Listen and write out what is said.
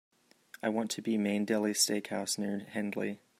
I want to be Main Deli Steak House near Hendley.